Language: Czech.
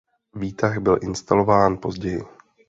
Výtah byl instalován později.